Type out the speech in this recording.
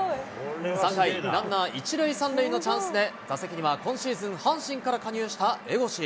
３回、ランナー１塁３塁のチャンスで、打席には今シーズン阪神から加入した江越。